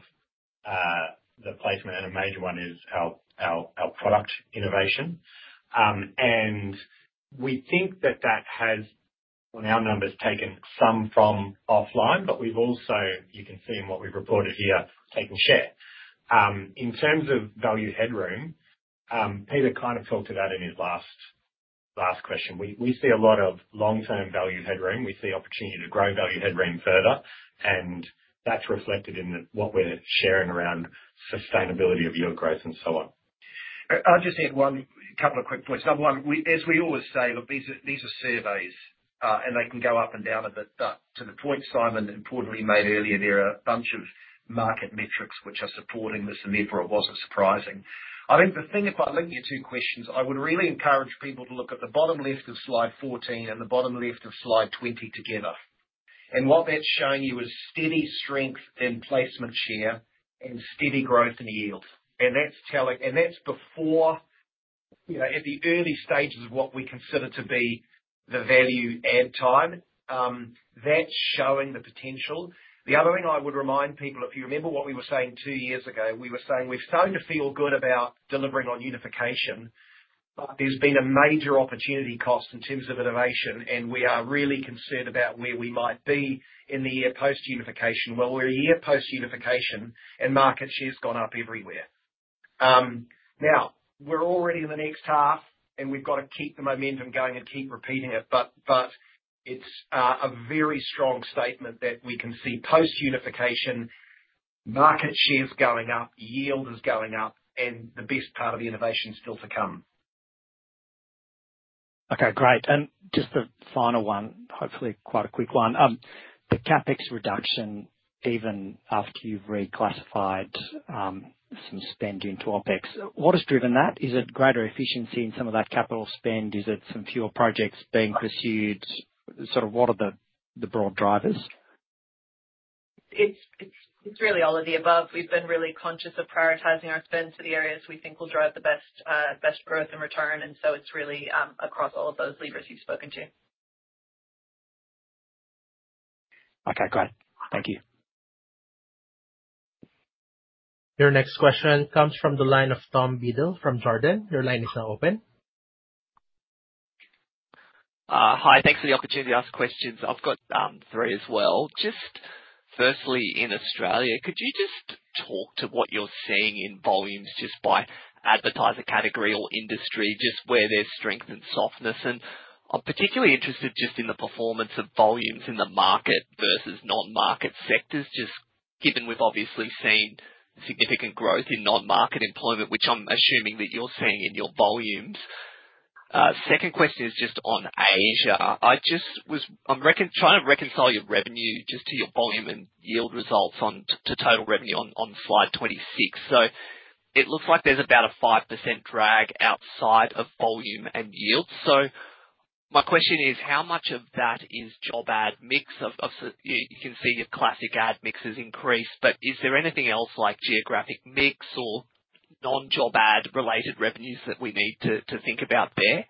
Speaker 8: the placement and a major one is our product innovation. And we think that that has, on our numbers, taken some from offline, but we've also, you can see in what we've reported here, taken share. In terms of value headroom, Peter kind of talked to that in his last question. We see a lot of long-term value headroom. We see opportunity to grow value headroom further, and that's reflected in what we're sharing around sustainability of yield growth and so on.
Speaker 2: I'll just add one couple of quick points. Number one, as we always say, these are surveys, and they can go up and down a bit, but to the point Simon importantly made earlier, there are a bunch of market metrics which are supporting this, and therefore it wasn't surprising. I think the thing, if I link your two questions, I would really encourage people to look at the bottom left of Slide 14 and the bottom left of Slide 20 together, and what that's showing you is steady strength in placement share and steady growth in yield, and that's before, at the early stages of what we consider to be the value add time. That's showing the potential. The other thing I would remind people, if you remember what we were saying two years ago, we were saying we're starting to feel good about delivering on unification, but there's been a major opportunity cost in terms of innovation, and we are really concerned about where we might be in the year post-unification. Well, we're a year post-unification, and market share's gone up everywhere. Now, we're already in the next half, and we've got to keep the momentum going and keep repeating it, but it's a very strong statement that we can see post-unification market share's going up, yield is going up, and the best part of the innovation is still to come.
Speaker 7: Okay, great. And just the final one, hopefully quite a quick one. The CapEx reduction, even after you've reclassified some spend into OpEx, what has driven that? Is it greater efficiency in some of that capital spend? Is it some fewer projects being pursued? Sort of what are the broad drivers?
Speaker 5: It's really all of the above. We've been really conscious of prioritizing our spend to the areas we think will drive the best growth and return, and so it's really across all of those levers you've spoken to.
Speaker 7: Okay, great. Thank you.
Speaker 1: Your next question comes from the line of Tom Beadle from Jarden. Your line is now open.
Speaker 9: Hi, thanks for the opportunity to ask questions. I've got three as well. Just firstly, in Australia, could you just talk to what you're seeing in volumes just by advertiser category or industry, just where there's strength and softness? And I'm particularly interested just in the performance of volumes in the market versus non-market sectors, just given we've obviously seen significant growth in non-market employment, which I'm assuming that you're seeing in your volumes. Second question is just on Asia. I'm trying to reconcile your revenue just to your volume and yield results to total revenue on Slide 26. So it looks like there's about a 5% drag outside of volume and yield. So my question is, how much of that is job ad mix? You can see your Classic ad mix has increased, but is there anything else like geographic mix or non-job ad related revenues that we need to think about there?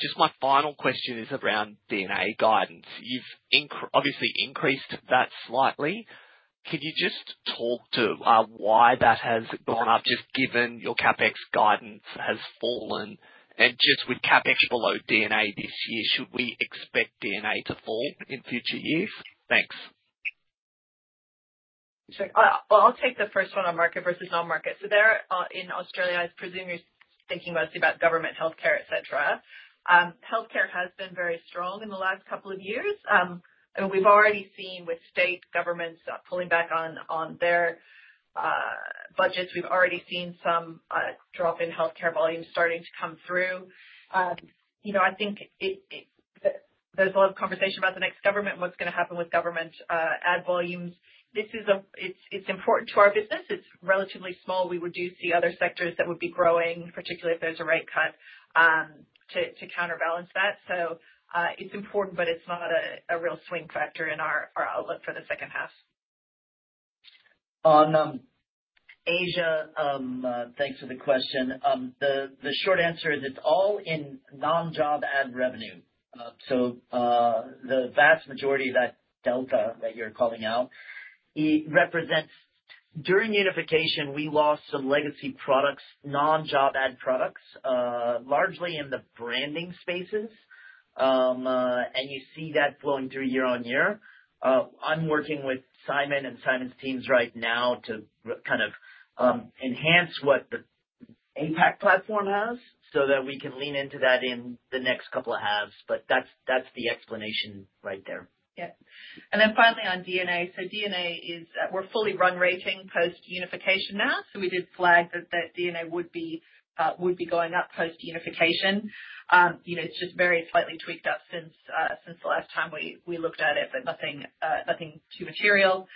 Speaker 9: Just my final question is around D&A guidance. You've obviously increased that slightly. Could you just talk to why that has gone up, just given your CapEx guidance has fallen? And just with CapEx below D&A this year, should we expect D&A to fall in future years? Thanks.
Speaker 5: Well, I'll take the first one on market versus non-market. So there in Australia, I presume you're thinking mostly about government healthcare, etc. Healthcare has been very strong in the last couple of years. And we've already seen with state governments pulling back on their budgets, we've already seen some drop in healthcare volume starting to come through. I think there's a lot of conversation about the next government, what's going to happen with government ad volumes. It's important to our business. It's relatively small. We would do see other sectors that would be growing, particularly if there's a rate cut, to counterbalance that. So it's important, but it's not a real swing factor in our outlook for the second half.
Speaker 4: On Asia, thanks for the question. The short answer is it's all in non-job ad revenue. So the vast majority of that delta that you're calling out represents, during unification, we lost some legacy products, non-job ad products, largely in the branding spaces, and you see that flowing through year on year. I'm working with Simon and Simon's teams right now to kind of enhance what the APAC platform has so that we can lean into that in the next couple of halves, but that's the explanation right there.
Speaker 5: Yeah. And then finally on D&A, so D&A is we're fully run-rating post-unification now. So we did flag that D&A would be going up post-unification. It's just very slightly tweaked up since the last time we looked at it, but nothing too material.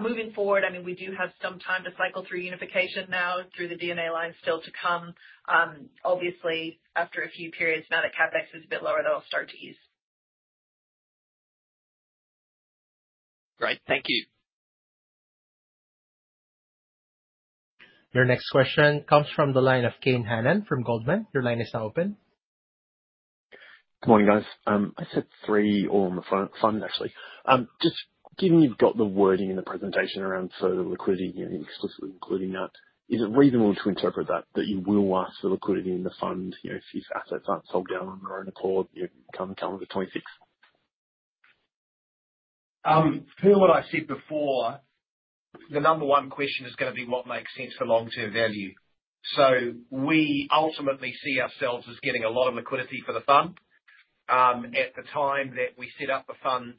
Speaker 5: Moving forward, I mean, we do have some time to cycle through unification now through the D&A line still to come. Obviously, after a few periods now that CapEx is a bit lower, they'll start to ease.
Speaker 9: Great. Thank you.
Speaker 1: Your next question comes from the line of Kane Hannan from Goldman. Your line is now open.
Speaker 10: Good morning, guys. I said three all on the fund, actually. Just given you've got the wording in the presentation around further liquidity, explicitly including that, is it reasonable to interpret that you will ask for liquidity in the fund if assets aren't sold down on their own accord? Can we commit to '26?
Speaker 2: Per what I said before, the number one question is going to be what makes sense for long-term value. So we ultimately see ourselves as getting a lot of liquidity for the fund. At the time that we set up the fund,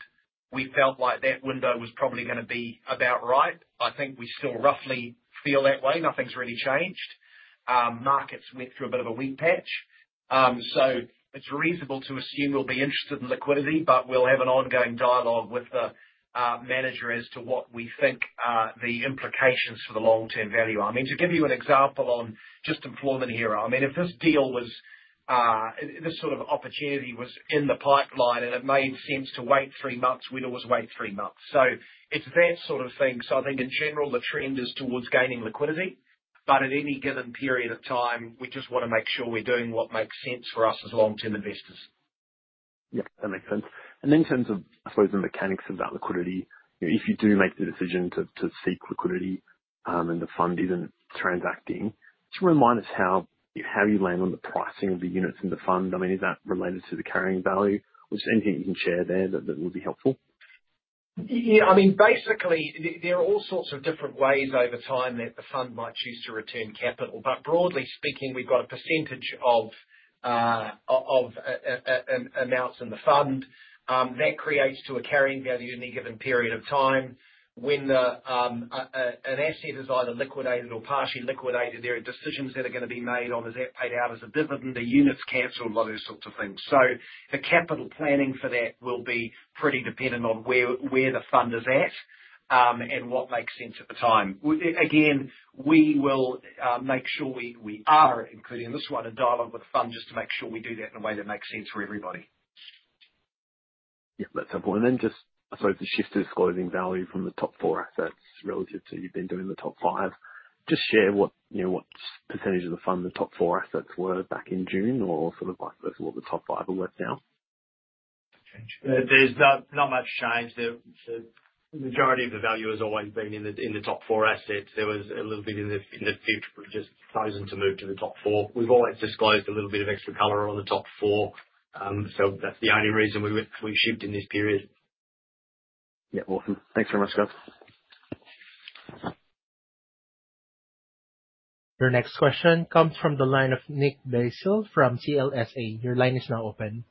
Speaker 2: we felt like that window was probably going to be about right. I think we still roughly feel that way. Nothing's really changed. Markets went through a bit of a weak patch. So it's reasonable to assume we'll be interested in liquidity, but we'll have an ongoing dialogue with the manager as to what we think the implications for the long-term value are. I mean, to give you an example on just employment here, I mean, if this sort of opportunity was in the pipeline and it made sense to wait three months, we'd always wait three months. So it's that sort of thing. I think in general, the trend is towards gaining liquidity, but at any given period of time, we just want to make sure we're doing what makes sense for us as long-term investors.
Speaker 10: Yeah, that makes sense. And in terms of, I suppose, the mechanics of that liquidity, if you do make the decision to seek liquidity and the fund isn't transacting, just remind us how you land on the pricing of the units in the fund. I mean, is that related to the carrying value? Just anything you can share there that would be helpful?
Speaker 2: Yeah, I mean, basically, there are all sorts of different ways over time that the fund might choose to return capital. But broadly speaking, we've got a percentage of amounts in the fund that contributes to a carrying value in any given period of time. When an asset is either liquidated or partially liquidated, there are decisions that are going to be made on is that paid out as a dividend, are units canceled, one of those sorts of things. So the capital planning for that will be pretty dependent on where the fund is at and what makes sense at the time. Again, we will make sure we are maintaining a dialogue with the fund, including this one, just to make sure we do that in a way that makes sense for everybody.
Speaker 10: Yeah, that's helpful. And then just, I suppose, the shift to disclosing value from the top four assets relative to you've been doing the top five. Just share what percentage of the fund the top four assets were back in June or sort of what the top five are worth now.
Speaker 2: There's not much change. The majority of the value has always been in the top four assets. There was a little bit in the future. We've just chosen to move to the top four. We've always disclosed a little bit of extra color on the top four. So that's the only reason we've shifted in this period.
Speaker 10: Yeah, awesome. Thanks very much, guys.
Speaker 1: Your next question comes from the line of Nick Basile from CLSA. Your line is now open.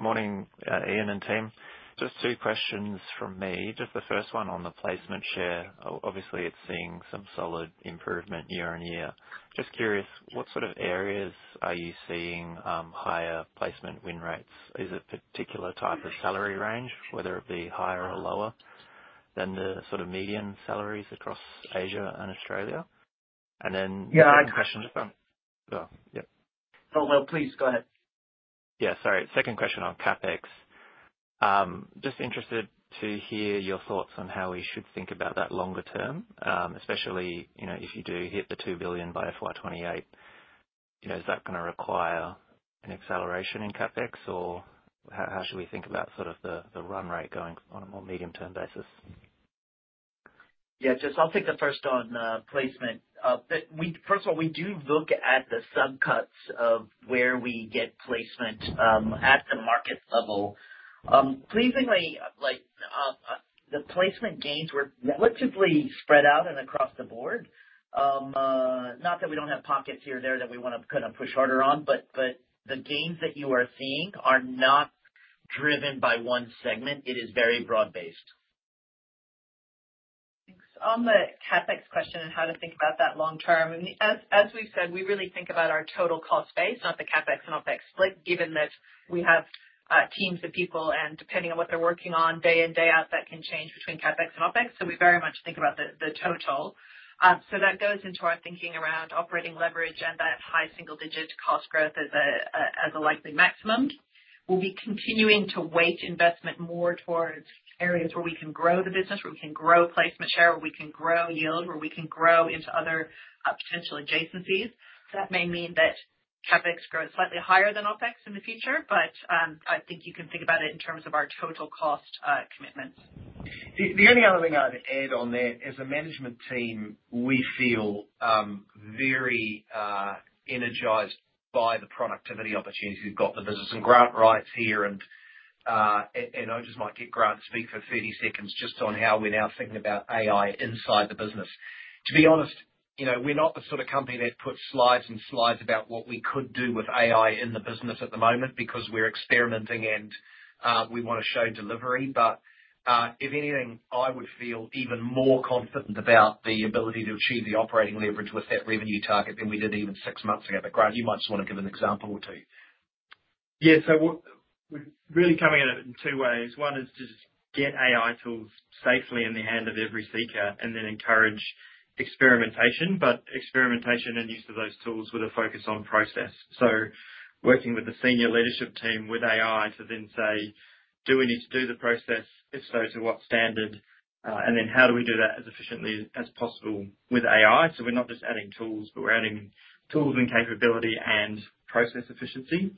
Speaker 11: Morning, Ian and team. Just two questions from me. Just the first one on the placement share. Obviously, it's seeing some solid improvement year on year. Just curious, what sort of areas are you seeing higher placement win rates? Is it a particular type of salary range, whether it be higher or lower than the sort of median salaries across Asia and Australia? And then second question. Yeah, I can.
Speaker 4: Oh, well, please go ahead.
Speaker 11: Yeah, sorry. Second question on CapEx. Just interested to hear your thoughts on how we should think about that longer term, especially if you do hit the 2 billion by FY28. Is that going to require an acceleration in CapEx or how should we think about sort of the run rate going on a more medium-term basis?
Speaker 4: Yeah, just. I'll take the first on placement. First of all, we do look at the sub-sectors of where we get placement at the market level. Pleasingly, the placement gains were relatively spread out and across the board. Not that we don't have pockets here or there that we want to kind of push harder on, but the gains that you are seeing are not driven by one segment. It is very broad-based.
Speaker 5: Thanks. On the CapEx question and how to think about that long-term, as we've said, we really think about our total cost base, not the CapEx and OpEx split, given that we have teams of people, and depending on what they're working on day in, day out, that can change between CapEx and OpEx. So we very much think about the total. So that goes into our thinking around operating leverage and that high single-digit cost growth as a likely maximum. We'll be continuing to weight investment more towards areas where we can grow the business, where we can grow placement share, where we can grow yield, where we can grow into other potential adjacencies. That may mean that CapEx growth is slightly higher than OpEx in the future, but I think you can think about it in terms of our total cost commitments.
Speaker 2: The only other thing I'd add on there is the management team. We feel very energized by the productivity opportunities we've got in the business and Grant Wright here. I just might get Grant to speak for 30 seconds just on how we're now thinking about AI inside the business. To be honest, we're not the sort of company that puts slides and slides about what we could do with AI in the business at the moment because we're experimenting and we want to show delivery. But if anything, I would feel even more confident about the ability to achieve the operating leverage with that revenue target than we did even six months ago. But Grant, you might just want to give an example or two.
Speaker 12: Yeah, so we're really coming at it in two ways. One is to just get AI tools safely in the hand of every seeker and then encourage experimentation, but experimentation and use of those tools with a focus on process. So working with the senior leadership team with AI to then say, "Do we need to do the process? If so, to what standard?" And then how do we do that as efficiently as possible with AI? So we're not just adding tools, but we're adding tools and capability and process efficiency.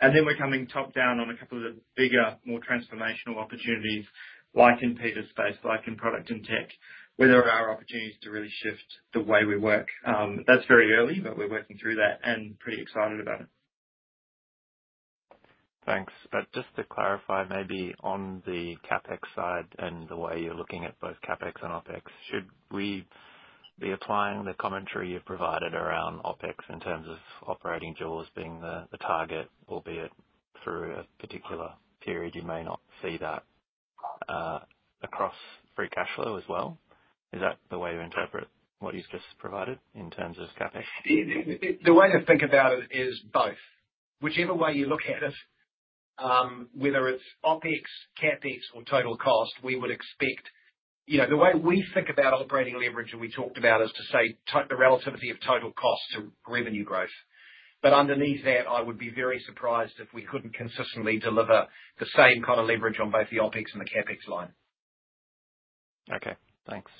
Speaker 12: And then we're coming top down on a couple of the bigger, more transformational opportunities like in P&T's space, like in product and tech, where there are opportunities to really shift the way we work. That's very early, but we're working through that and pretty excited about it.
Speaker 11: Thanks. But just to clarify, maybe on the CapEx side and the way you're looking at both CapEx and OpEx, should we be applying the commentary you've provided around OpEx in terms of operating leverage being the target, albeit through a particular period, you may not see that across free cash flow as well? Is that the way you interpret what you've just provided in terms of CapEx?
Speaker 2: The way to think about it is both. Whichever way you look at it, whether it's OpEx, CapEx, or total cost, we would expect the way we think about operating leverage, and we talked about, is to say the relativity of total cost to revenue growth. But underneath that, I would be very surprised if we couldn't consistently deliver the same kind of leverage on both the OpEx and the CapEx line.
Speaker 11: Okay. Thanks.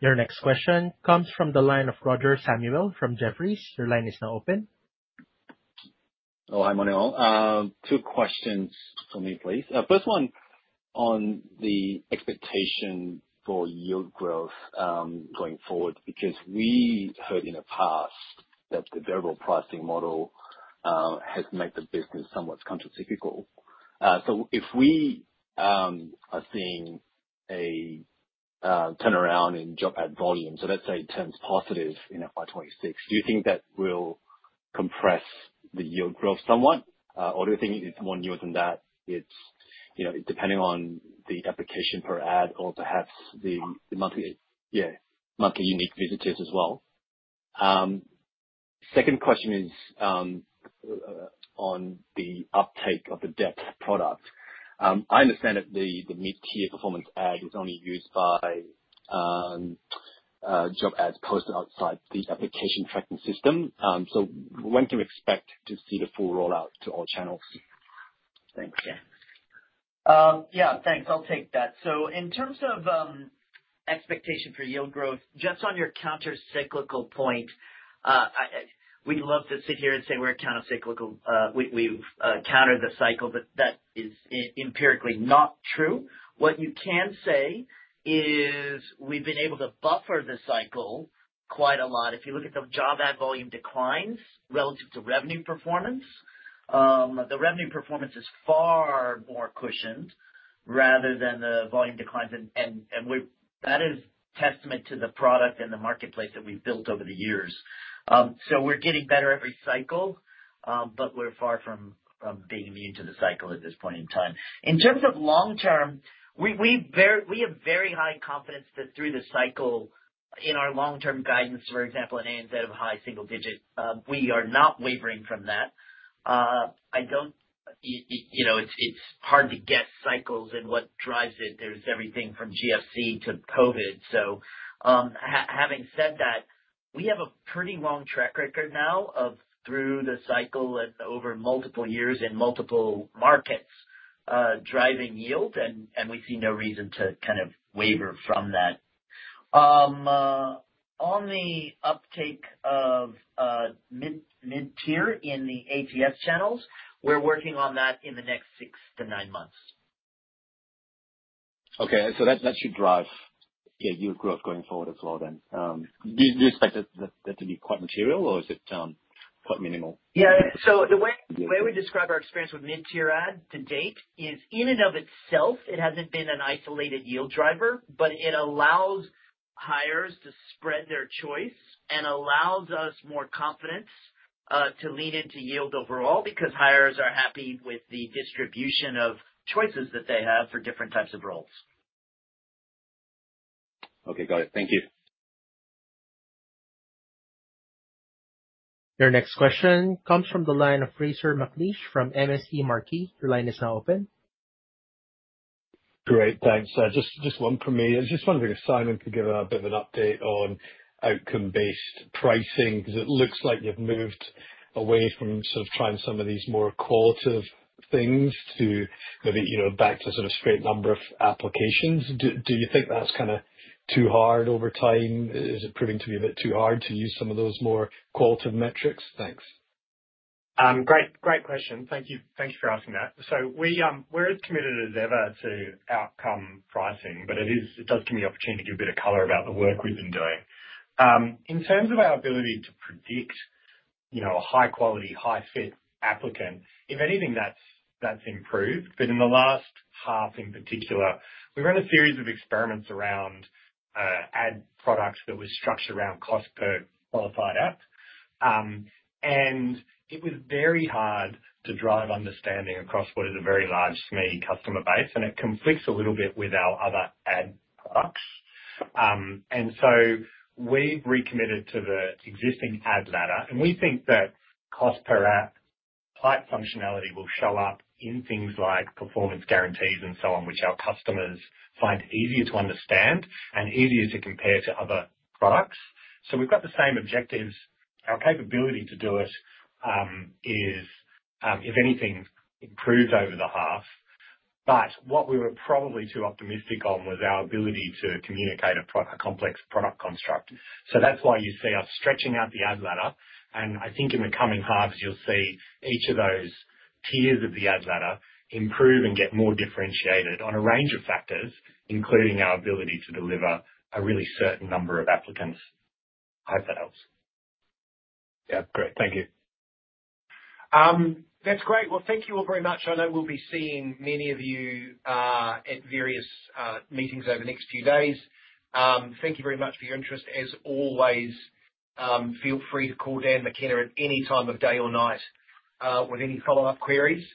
Speaker 1: Your next question comes from the line of Roger Samuel from Jefferies. Your line is now open.
Speaker 13: Oh, hi, Ian, well. Two questions for me, please. First one on the expectation for yield growth going forward, because we heard in the past that the variable pricing model has made the business somewhat counter-cyclical. So if we are seeing a turnaround in job ad volume, so let's say it turns positive in FY26, do you think that will compress the yield growth somewhat? Or do you think it's more nuanced than that? It depends on the applications per ad or perhaps the monthly unique visitors as well. Second question is on the uptake of the Depth product. I understand that the mid-tier performance ad is only used by job ads posted outside the applicant tracking system. So when can we expect to see the full rollout to all channels? Thanks.
Speaker 4: Yeah. Yeah, thanks. I'll take that. So in terms of expectation for yield growth, just on your countercyclical point, we'd love to sit here and say we're countercyclical. We've countered the cycle, but that is empirically not true. What you can say is we've been able to buffer the cycle quite a lot. If you look at the job ad volume declines relative to revenue performance, the revenue performance is far more cushioned rather than the volume declines. And that is testament to the product and the marketplace that we've built over the years. So we're getting better every cycle, but we're far from being immune to the cycle at this point in time. In terms of long-term, we have very high confidence that through the cycle in our long-term guidance, for example, at ANZ of high single digit, we are not wavering from that. I don't know. It's hard to guess cycles and what drives it. There's everything from GFC to COVID. So having said that, we have a pretty long track record now of through the cycle and over multiple years in multiple markets driving yield, and we see no reason to kind of waver from that. On the uptake of mid-tier in the ATS channels, we're working on that in the next six to nine months.
Speaker 13: Okay. So that should drive yield growth going forward as well then. Do you expect that to be quite material, or is it quite minimal?
Speaker 2: Yeah. So the way we describe our experience with mid-tier ad to date is in and of itself, it hasn't been an isolated yield driver, but it allows hirers to spread their choice and allows us more confidence to lean into yield overall because hirers are happy with the distribution of choices that they have for different types of roles.
Speaker 13: Okay. Got it. Thank you.
Speaker 1: Your next question comes from the line of Fraser McLeish from MST Marquee. Your line is now open.
Speaker 14: Great. Thanks. Just one from me. I just wanted to ask Simon to give a bit of an update on outcome-based pricing because it looks like you've moved away from sort of trying some of these more qualitative things to maybe back to sort of straight number of applications. Do you think that's kind of too hard over time? Is it proving to be a bit too hard to use some of those more qualitative metrics? Thanks.
Speaker 2: Great question. Thank you for asking that. So we're as committed as ever to outcome pricing, but it does give me the opportunity to give a bit of color about the work we've been doing. In terms of our ability to predict a high-quality, high-fit applicant, if anything, that's improved. But in the last half in particular, we ran a series of experiments around ad products that were structured around cost per qualified app. And it was very hard to drive understanding across what is a very large, SME customer base. And it conflicts a little bit with our other ad products. And so we've recommitted to the existing ad ladder. And we think that cost per app type functionality will show up in things like performance guarantees and so on, which our customers find easier to understand and easier to compare to other products. So we've got the same objectives. Our capability to do it is, if anything, improved over the half. But what we were probably too optimistic on was our ability to communicate a complex product construct. So that's why you see us stretching out the ad ladder. And I think in the coming halves, you'll see each of those tiers of the ad ladder improve and get more differentiated on a range of factors, including our ability to deliver a really certain number of applicants. I hope that helps.
Speaker 14: Yeah. Great. Thank you.
Speaker 2: That's great. Well, thank you all very much. I know we'll be seeing many of you at various meetings over the next few days. Thank you very much for your interest. As always, feel free to call Dan McKenna at any time of day or night with any follow-up queries.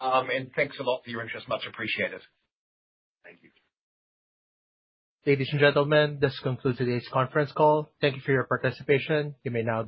Speaker 2: And thanks a lot for your interest. Much appreciated. Thank you.
Speaker 1: Ladies and gentlemen, this concludes today's conference call. Thank you for your participation. You may now.